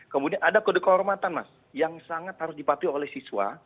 kemudian ada kode kehormatan mas yang sangat harus dipatuhi oleh siswa